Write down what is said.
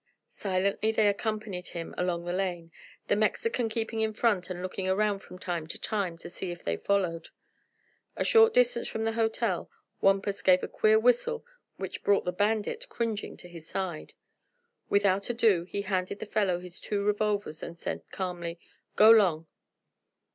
Silently they accompanied him along the lane, the Mexican keeping in front and looking around from time to time to see if they followed. A short distance from the hotel Wampus gave a queer whistle which brought the bandit cringing to his side. Without ado he handed the fellow his two revolvers and said calmly: "Go 'long."